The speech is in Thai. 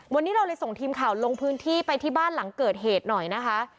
วันนี้เราเลยส่งทีมข่าวลงพื้นที่ไปที่บ้านหลังเกิดเหตุหน่อยนะคะ